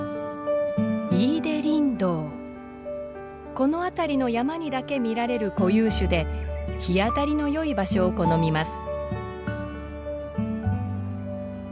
この辺りの山にだけ見られる固有種で日当たりのよい場所を好みます。